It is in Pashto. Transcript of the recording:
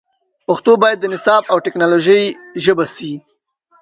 پښتو باید د نصاب او ټکنالوژۍ ژبه سي